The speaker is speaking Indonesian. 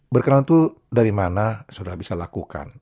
berkenalan itu dari mana saudara bisa lakukan